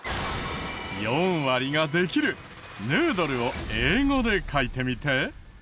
４割ができる「ヌードル」を英語で書いてみて。